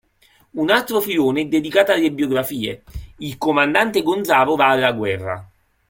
Un altro filone è dedicato alle biografie: "Il comandante Gonzalo va alla guerra.